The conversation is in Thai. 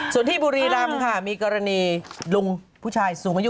ส่วนที่บุรีรำค่ะมีกรณีลุงผู้ชายสูงประยุกต์คนหนึ่ง